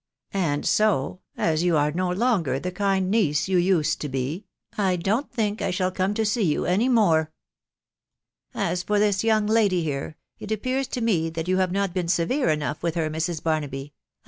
•.. And so, as you are no longer the kind niece you used to be, I don't think I shall come to see you any more. As for this young lady here, it appears to me that you have not been severe enough with her, Mrs. Barnaby. ..